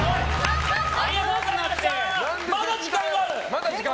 まだ時間ある？